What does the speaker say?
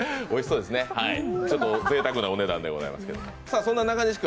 おいしそうですね、ちょっとぜいたくなお値段ですけれども。